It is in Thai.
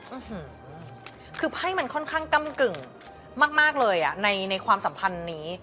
คือไพ่มันค่อนข้างกำกึ่งมากเลยอ่ะในความสัมพันธ์นี้